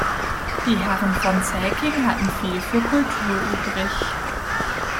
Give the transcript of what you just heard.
Die Herren von Zelking hatten viel für Kultur übrig.